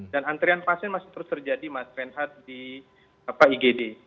dan antrian pasien masih terus terjadi mas rengas di igd